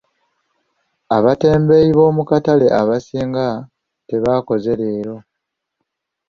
Abatembeeyi b'omu katale abasinga tebaakoze leero.